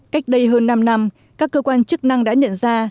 cách đây hơn năm năm các cơ quan chức năng đã nhận ra